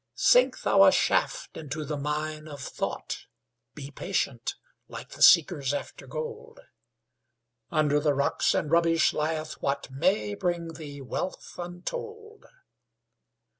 Sink thou a shaft into the mine of thought; Be patient, like the seekers after gold; Under the rocks and rubbish lieth what May bring thee wealth untold.